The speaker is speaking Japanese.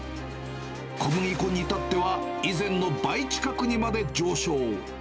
小麦粉に至っては、以前の倍近くにまで上昇。